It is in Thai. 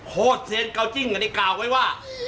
โหดเสร็จเก่าจริงกันไอ้กาวไว้ว่ะ